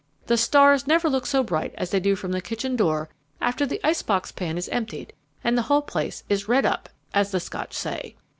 The stars never look so bright as they do from the kitchen door after the ice box pan is emptied and the whole place is 'redd up,' as the Scotch say."